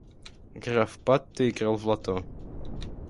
Граф Патто играл в лото.